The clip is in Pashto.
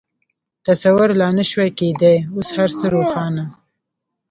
تصور لا نه شوای کېدای، اوس هر څه روښانه.